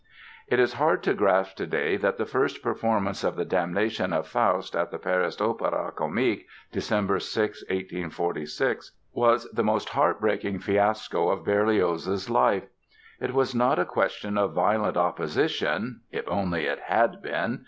It is hard to grasp today that the first performance of the "Damnation of Faust" at the Paris Opéra Comique (December 6, 1846) was the most heart breaking fiasco of Berlioz' life. It was not a question of violent opposition (if only it had been!)